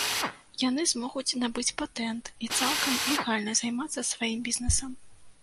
Яны змогуць набыць патэнт і цалкам легальна займацца сваім бізнесам.